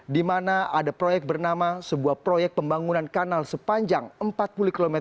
di mana ada proyek bernama sebuah proyek pembangunan kanal sepanjang empat puluh km